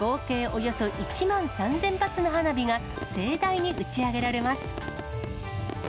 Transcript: およそ１万３０００発の花火が盛大に打ち上げられます。